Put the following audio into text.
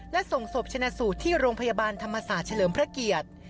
และส่งศพชนะสูตรที่โรงพยาบาลธรรมศาสตร์เฉลิมพระเกียรติ